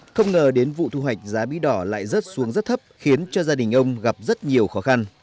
không ngờ đến vụ thu hoạch giá bí đỏ lại rớt xuống rất thấp khiến cho gia đình ông gặp rất nhiều khó khăn